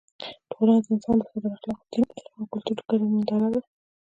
ټولنه د انسان د فکر، اخلاقو، دین، علم او کلتور ګډه ننداره ده.